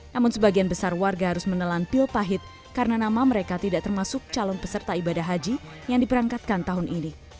namun sebagian besar warga harus menelan pil pahit karena nama mereka tidak termasuk calon peserta ibadah haji yang diperangkatkan tahun ini